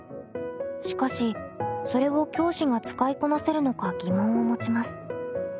しかしそれを教師が使いこなせるのか疑問を持ちます。